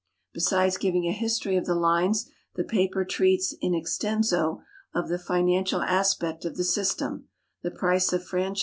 Besiiles giving a history of the lines, the paper treats in extcnso of the financial aspect of the system, the price of franchi.'